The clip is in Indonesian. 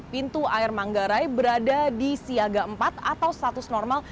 pintu air manggarai berada di siaga empat atau status normal